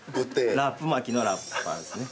ラップ巻きのラッパーですね。